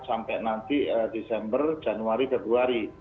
sampai nanti desember januari februari